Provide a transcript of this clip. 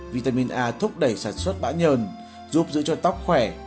vitamin a thúc đẩy sản xuất bãi nhờn giúp giữ cho tóc khỏe